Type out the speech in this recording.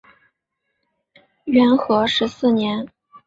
元和十四年。